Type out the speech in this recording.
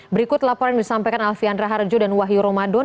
berikut laporan yang disampaikan alfian raharjo dan wahyu ramadan